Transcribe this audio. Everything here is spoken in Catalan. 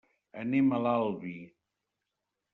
Anem a l'Albi.